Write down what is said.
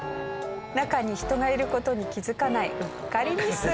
中に人がいる事に気づかないうっかりミス。